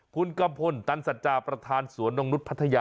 คุณกัมพลตันศาจารย์ปฐานสวนนกนุดพรรภย